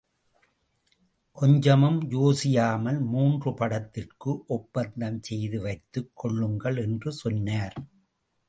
கொஞ்சமும் யோசியாமல் மூன்று படத்திற்கு ஒப்பந்தம் செய்து வைத்துக் கொள்ளுங்கள் என்று சொன்னார்.